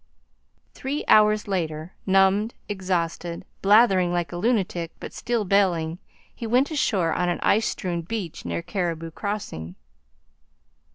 Three hours later, numbed, exhausted, blathering like a lunatic, but still bailing, he went ashore on an ice strewn beach near Cariboo Crossing.